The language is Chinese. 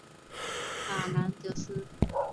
法兰德斯。